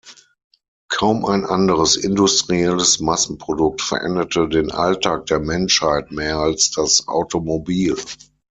Kaum ein anderes industrielles Massenprodukt veränderte den Alltag der Menschheit mehr als das Automobil.